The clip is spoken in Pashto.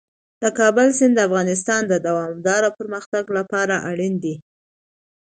د کابل سیند د افغانستان د دوامداره پرمختګ لپاره اړین دي.